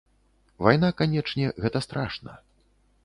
Вайна, канечне, гэта страшна.